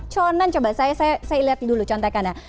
conan coba saya lihat dulu contohkan ya